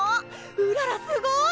うららすごい！